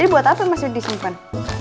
jadi buat apa masih disimpan